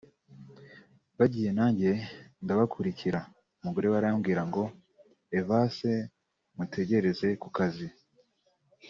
bagiye nanjye ndabakurikira umugore we arambwira ngo Evase mutegereze ku kazi